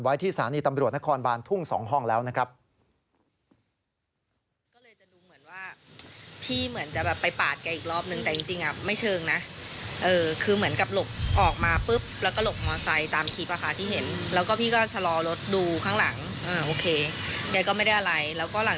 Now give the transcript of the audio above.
ที่สถานีตำรวจนครบานทุ่ง๒ห้องแล้วนะครับ